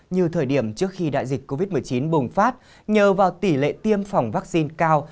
như thời điểm trước khi đại dịch covid một mươi chín bùng phát nhờ vào tỷ lệ tiêm phòng vaccine cao